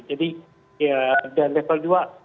jadi dan level dua